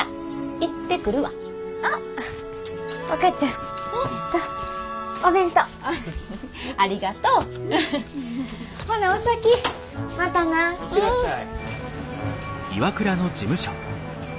行ってらっしゃい。